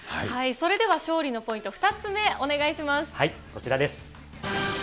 それでは勝利のポイント２つこちらです。